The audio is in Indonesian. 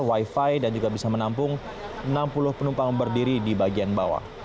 wifi dan juga bisa menampung enam puluh penumpang berdiri di bagian bawah